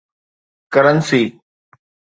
Guernsey